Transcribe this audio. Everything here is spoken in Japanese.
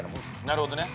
なるほどね。